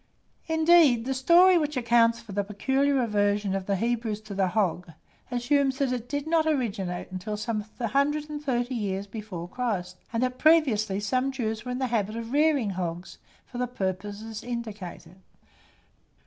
Indeed, the story which accounts for the peculiar aversion of the Hebrews to the hog, assumes that it did not originate until about 130 years before Christ, and that, previously, some Jews were in the habit of rearing hogs for the purposes indicated.